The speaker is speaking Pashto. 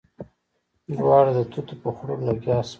دواړه د توتو په خوړلو لګيا شول.